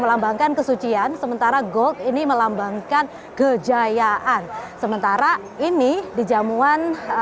melambangkan kesucian sementara gold ini melambangkan kejayaan sementara ini di jamuan